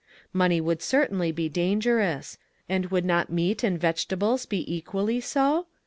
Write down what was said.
Money would certainly be dangerous; and would not meat and vegetables be equally so?